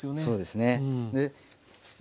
そうですね。